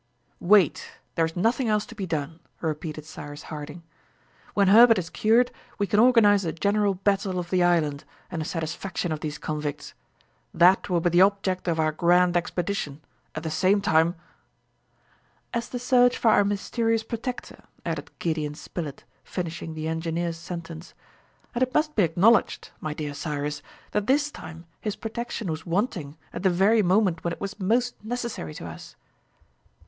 "Wait! There is nothing else to be done!" repeated Cyrus Harding. "When Herbert is cured, we can organize a general battle of the island, and have satisfaction of these convicts. That will be the object of our grand expedition at the same time " "As the search for our mysterious protector," added Gideon Spilett, finishing the engineer's sentence. "And it must be acknowledged, my dear Cyrus, that this time his protection was wanting at the very moment when it was most necessary to us!"